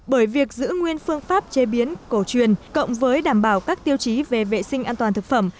bởi việc giữ nguyên phương pháp chế biến cổ truyền cộng với đảm bảo các tiêu chí về vệ sinh an toàn thực phẩm